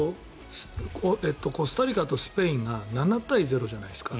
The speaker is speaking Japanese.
コスタリカとスペインが７対０じゃないですか。